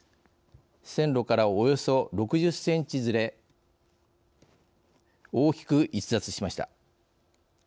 線路から、およそ６０センチずれ大きく逸脱しました。